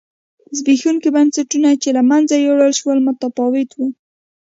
زبېښونکي بنسټونه چې له منځه یووړل شول متفاوت و.